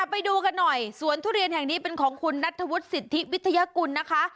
ไปดูกันหน่อยสวนทุเรียนแห่งนี้เป็นของคุณนัทธวุฒิสิทธิวิทยากุลนะคะ